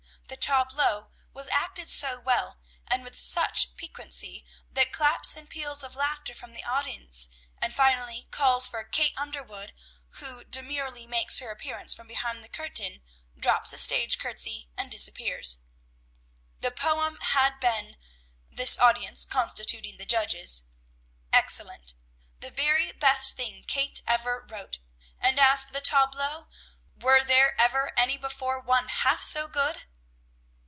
The tableau was acted so well, and with such piquancy, that claps and peals of laughter from the audience, and finally calls for "Kate Underwood," who demurely makes her appearance from behind the curtain, drops a stage courtesy, and disappears. The poem had been (this audience constituting the judges) excellent, the very best thing Kate ever wrote; and as for the tableaux, were there ever any before one half so good?